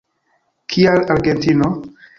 Kial Argentino?